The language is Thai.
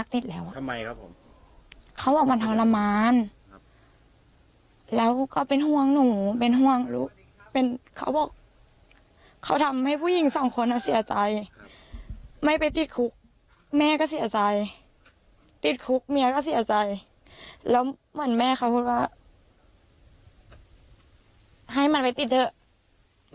แต่เขาเลือกที่เขาฆ่าตัวตายเขาไม่ติดแล้วเขาไม่ยากติดแล้ว